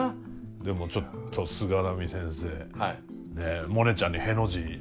でもちょっと菅波先生モネちゃんにへの字。